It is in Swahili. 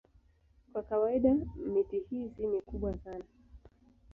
Kwa kawaida miti hii si mikubwa sana.